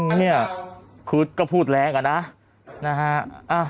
เนี่ยคือก็พูดแรงอะนะนะฮะ